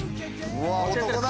うわ男だ。